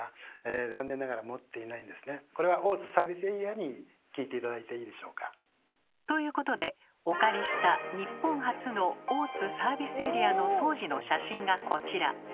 これは大津サービスエリアに聞いて頂いていいでしょうか？ということでお借りした日本初の大津サービスエリアの当時の写真がこちら。